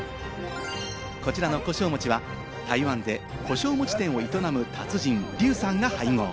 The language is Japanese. こちらの胡椒餅は、台湾で胡椒餅店を営む達人・劉さんが配合。